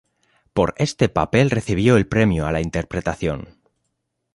Por este papel, recibió el Premio a la Interpretación.